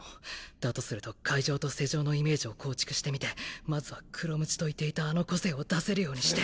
だとすると解錠と施錠のイメージを構築してみてまずは黒鞭と言っていたあの個性を出せるようにして。